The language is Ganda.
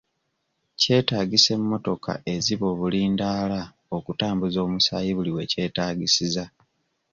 Kyetaagisa emmotoka eziba obulindaala okutambuza omusaayi buli we kyetaagisiza.